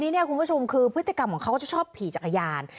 ที่นี้คุณผู้ชมคือพฤติกรรมของเค้าจะชอบผีจักรยาน